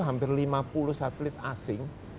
hampir lima puluh satelit asing